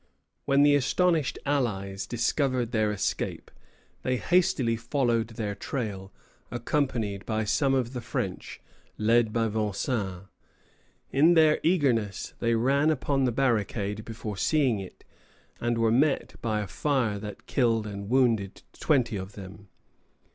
When the astonished allies discovered their escape, they hastily followed their trail, accompanied by some of the French, led by Vincennes. In their eagerness they ran upon the barricade before seeing it, and were met by a fire that killed and wounded twenty of them.